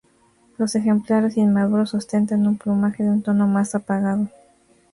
Los ejemplares inmaduros ostentan un plumaje de un tono más apagado.